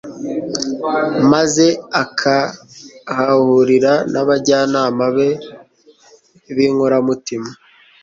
maze akahahurira n'abajyanama be b'inkoramutima